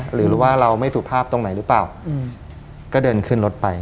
หรือว่าเราไม่สุภาพตรงไหนหรือเปล่าก็เดินขึ้นรถไป